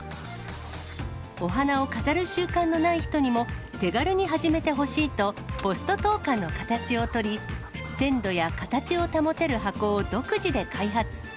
お花を飾る習慣のない人にも、手軽に始めてほしいと、ポスト投かんの形を取り、鮮度や形を保てる箱を独自で開発。